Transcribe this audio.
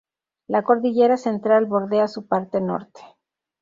La cordillera Central bordea su parte Norte.